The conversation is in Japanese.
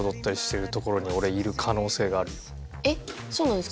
えっそうなんですか？